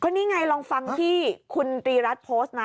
นี่ไงลองฟังที่คุณตรีรัฐโพสต์นะ